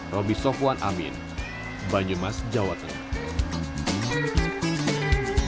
roby sofwan amin banyumas jawa tengah